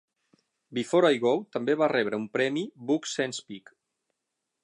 "Before I Go" també va rebre un premi Book Sense Pick.